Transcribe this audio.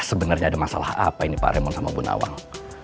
sebenarnya ada masalah apa ini pak remon sama bunawang